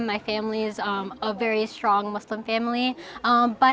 keluarga saya adalah keluarga muslim yang sangat kuat